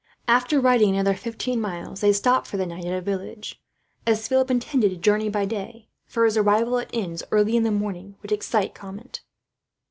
After riding another fifteen miles, they stopped for the night at a village, as Philip intended to journey by day; for his arrival at inns, early in the morning, would excite comment.